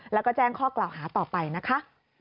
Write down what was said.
แล้วก็แจ้งข้อกล่าวหาต่อไปนะคะ